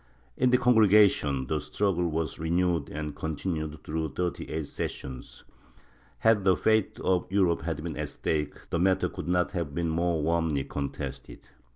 In the Congregation, the struggle was renewed and continued through thirty eight sessions. Had the fate of Europe been at stake, the matter could not have been more warmly contested.